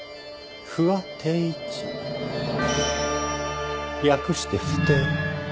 不破貞一略して「不貞」。